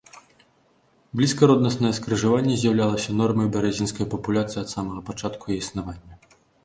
Блізкароднаснае скрыжаванне з'яўлялася нормай у бярэзінскай папуляцыі ад самага пачатку яе існавання.